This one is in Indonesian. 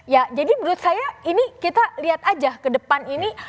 ya jadi menurut saya ini kita lihat aja ke depan ini